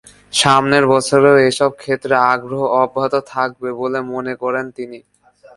সামনের বছরেও এসব ক্ষেত্রে আগ্রহ অব্যাহত থাকবে বলে মনে করেন তিনি।